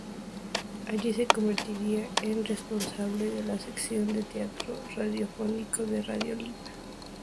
Allí, se convertiría en responsable de la sección de teatro radiofónico de Radio Lima.